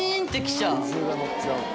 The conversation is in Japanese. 僚鼎のっちゃうんだ。